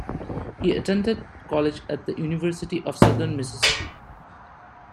He attended college at The University of Southern Mississippi.